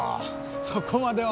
そこまでは。